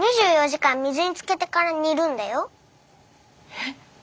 えっ！